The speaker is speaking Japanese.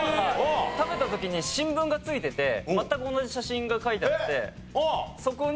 食べた時に新聞がついてて全く同じ写真が書いてあってそこに。